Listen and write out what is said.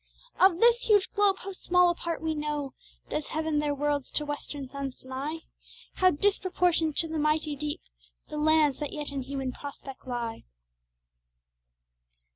Of this huge globe, how small a part we know Does heaven their worlds to western suns deny? How disproportion'd to the mighty deep The lands that yet in human prospect lie!